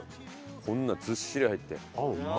こんなずっしり入って。